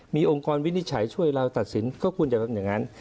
มีองค์กรวินิจฉัยช่วยเราตัดสินก็ควรจะเป็นอย่างนั้น